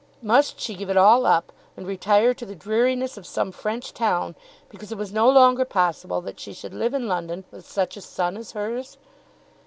Must she give it all up and retire to the dreariness of some French town because it was no longer possible that she should live in London with such a son as hers?